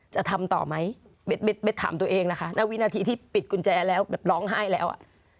จะทำต่อไหมเบ็ดถามตัวเองนะคะณวินาทีที่ปิดกุญแจแล้วแบบร้องไห้แล้วอ่ะ